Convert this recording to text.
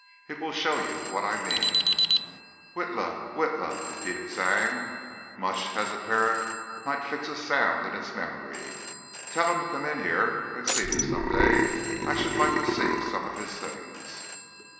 It will show you what I mean." "Witla! Witla!" repeated Zang, much as a parrot might fix a sound in its memory. "Tell him to come in here and see me some day. I should like to see some of his things."